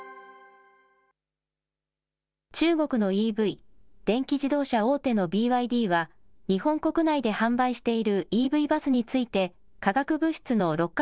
中国のＥＶ・電気自動車大手のＢＹＤは、日本国内で販売しているＥＶバスについて、化学物質の六価